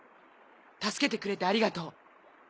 助けてくれてありがとう。